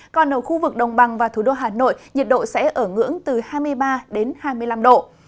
còn ở khu vực đồng bằng và thủ đô hà nội nhiệt độ sẽ ở ngưỡng từ hai mươi ba đến hai mươi năm độ